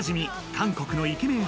韓国のイケメン